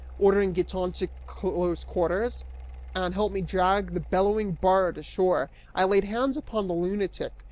Ordering Giton to come to close quarters and help me drag the bellowing bard ashore, I laid hands upon the lunatic.